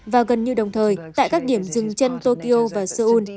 và gần như đồng thời tại các điểm dừng chân tokyo và seoul